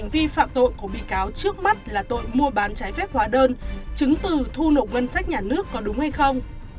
vi phạm tội của bị cáo trước mắt là tội mua bán trái phép hóa đơn chứng từ thu nộp ngân sách nhà nước có đúng hay không